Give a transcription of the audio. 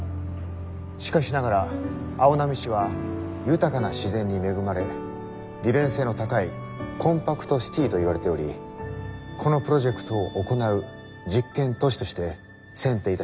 しかしながら青波市は豊かな自然に恵まれ利便性の高いコンパクトシティーといわれておりこのプロジェクトを行う実験都市として選定いたしました。